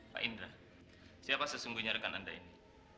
pak indra siapa sesungguhnya rekan anda ini